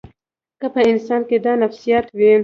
که په انسان کې دا نفسیات وي.